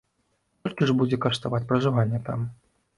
Колькі ж будзе каштаваць пражыванне там?